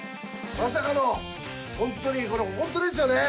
まさかのホントにこれホントですよね？